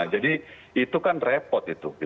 jadi itu kan repot